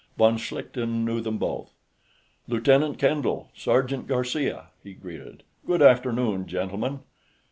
Von Schlichten knew them both. "Lieutenant Kendall; Sergeant Garcia," he greeted. "Good afternoon, gentlemen."